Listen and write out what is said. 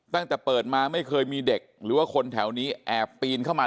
ตั้งแต่เปิดมาไม่เคยมีเด็กหรือว่าคนแถวนี้แอบปีนเข้ามา